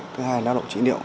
thứ hai là lao động trị liệu